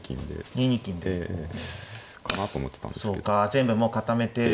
全部もう固めて。